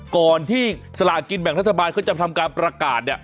ก่อนที่สลากินแบ่งรัฐบาลเขาจะทำการประกาศ